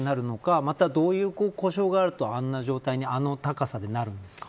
またどういう故障があるとあんな状態にあの高さでなるんですか。